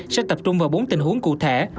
sẽ tập trung vào bốn tình huống cụ thể